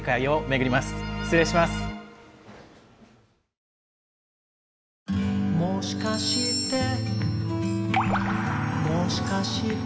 「もしかして」